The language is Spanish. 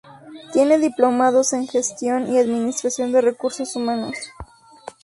Tiene diplomados en gestión y administración de recursos humanos.